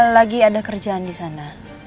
lagi ada kerjaan disana